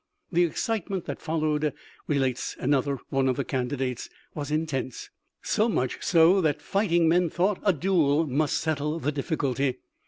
"The excitement that followed," relates another one of the candidates,* " was intense — so much so that fighting men thought a duel must settle the difificulty.